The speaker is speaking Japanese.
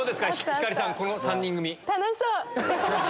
星さんこの３人組。